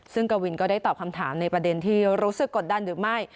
ซึ่งกวินก็ได้ตอบคำถามในประเด็นที่รู้สึกกดดันหรือไม่